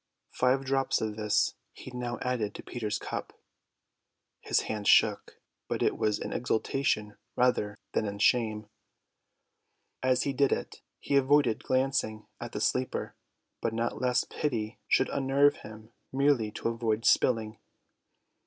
Five drops of this he now added to Peter's cup. His hand shook, but it was in exultation rather than in shame. As he did it he avoided glancing at the sleeper, but not lest pity should unnerve him; merely to avoid spilling.